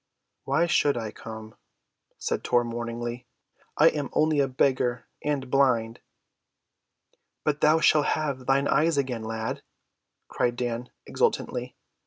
"Why should I come?" said Tor mournfully. "I am only a beggar—and blind." "But thou shalt have thine eyes again, lad," cried Dan exultantly.